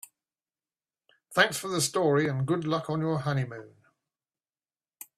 Thanks for the story and good luck on your honeymoon.